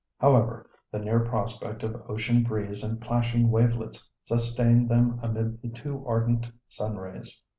However, the near prospect of ocean breeze and plashing wavelets sustained them amid the too ardent sun rays.